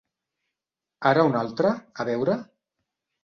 Ara un altre, a veure?